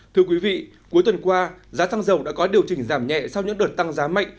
thưa quý vị cuối tuần qua giá xăng dầu đã có điều chỉnh giảm nhẹ sau những đợt tăng giá mạnh